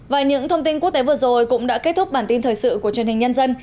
và những thông tin quốc tế vừa rồi cũng đã kết thúc bản tin thời sự của truyền hình nhân dân